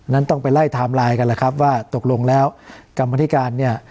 นั้นต้องไปไล่ไทม์ไลน์กันแหละครับว่าตกลงแล้วกรรมธิการเนี่ย